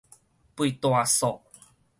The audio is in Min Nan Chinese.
拔大索